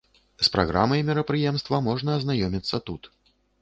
З праграмай мерапрыемства можна азнаёміцца тут.